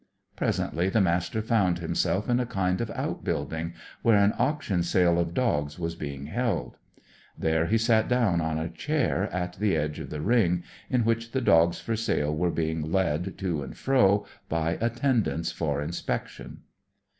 Presently the Master found himself in a kind of outbuilding, where an auction sale of dogs was being held. There he sat down on a chair at the edge of the ring in which the dogs for sale were being led to and fro by attendants for inspection.